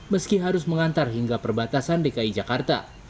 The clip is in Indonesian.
meski harus mengantar hingga perbatasan dki jakarta